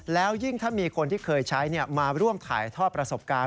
แล้วยิ่งถ้ามีคนที่เคยใช้มาร่วมถ่ายทอดประสบการณ์